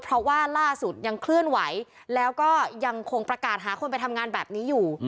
เพราะว่าล่าสุดยังเคลื่อนไหวแล้วก็ยังคงประกาศหาคนไปทำงานแบบนี้อยู่